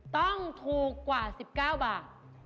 ต้องถูกกว่า๑๙บาท